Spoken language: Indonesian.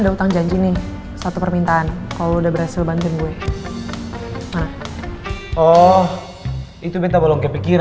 yaudah pikir aja dulu